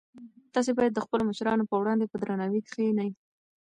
تاسي باید د خپلو مشرانو په وړاندې په درناوي کښېنئ.